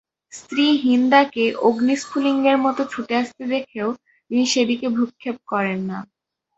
স্ত্রী হিন্দাকে অগ্নিস্ফুলিঙ্গের মত ছুটে আসতে দেখেও তিনি সেদিকে ভ্রুক্ষেপ করেন না।